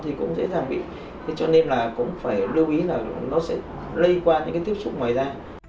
thì nó sẽ làm việc cho nên là cũng phải lưu ý là nó sẽ lây qua những cái tiếp xúc ngoài ra